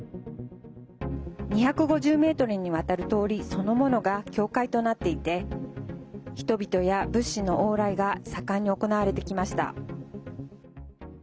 ２５０ｍにわたる通りそのものが境界となっていて人々や物資の往来が盛んに行われてきました。